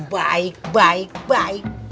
baik baik baik